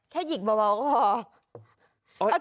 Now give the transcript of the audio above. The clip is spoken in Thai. แค่หยิกเบาก็พอ